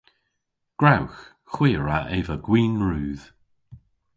Gwrewgh. Hwi a wra eva gwin rudh.